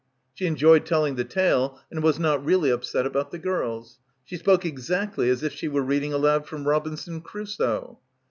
She enjoyed telling the tale and was not really upset about the girls. She spoke exactly as if she were reading aloud from "Robinson Crusoe."